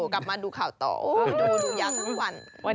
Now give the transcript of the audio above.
กลับมาดูข่าวต่อดูยาวทั้งวัน